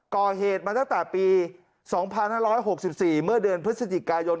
ก่อเหตุมาตั้งแต่ปี๒๕๖๔เมื่อเดือนพฤศจิกายน